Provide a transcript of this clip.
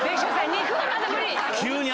肉はまだ無理！